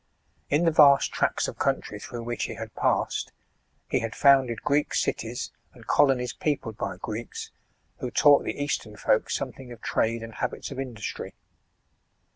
In the vast tracts of country through which he had passed, he had founded Greek cities and colonies peopled by Greeks, who taught the Eastern folk something of trade and habits of industry.